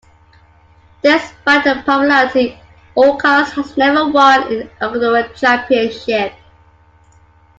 Despite the popularity, Aucas has never won an Ecuadorian championship.